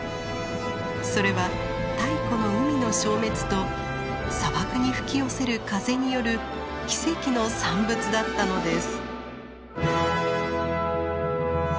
それは太古の海の消滅と砂漠に吹き寄せる風による奇跡の産物だったのです。